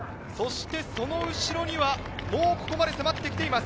その後ろにはここまで迫ってきています。